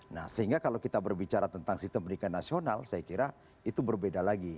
nah sehingga kalau kita berbicara tentang sistem pendidikan nasional saya kira itu berbeda lagi